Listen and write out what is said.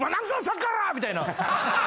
みたいな。